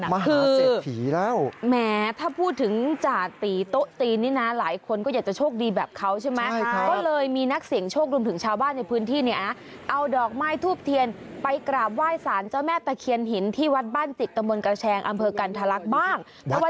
คือแหมถ้าพูดถึงจาตีโต๊ะตีนนี่นะหลายคนก็อยากจะโชคดีแบบเขาใช่ไหมก็เลยมีนักเสี่ยงโชครวมถึงชาวบ้านในพื้นที่เนี่ยนะเอาดอกไม้ทูบเทียนไปกราบไหว้สารเจ้าแม่ตะเคียนหินที่วัดบ้านจิตตะมนต์กระแชงอำเภอกันทะลักบ้าง